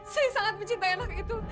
saya sangat mencintai anak itu